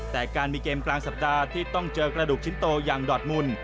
แต่การมีเกมกลางสัปดาห์ที่ต้องเจอกระดูกชิ้นโตอย่างดอดมุน